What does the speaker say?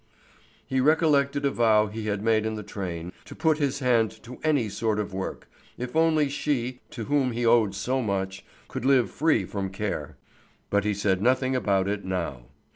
He recollected a vow he had made in the train, to put his hand to any sort of work, if only she, to whom he owed so much, could live free from care. But he said nothing about it now.